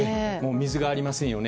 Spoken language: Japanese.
水がありませんよね。